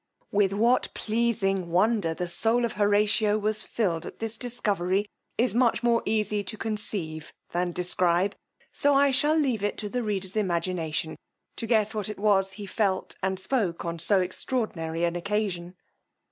With what pleasing wonder the soul of Horatio was filled at this discovery, is much more easy to conceive than describe, so I shall leave it to the reader's imagination to guess what it was he felt and spoke on so extraordinary an occasion.